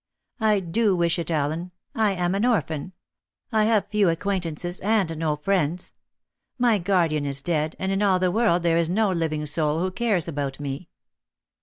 "I do wish it, Allen. I am an orphan. I have few acquaintances, and no friends. My guardian is dead, and in all the world there is no living soul who cares about me."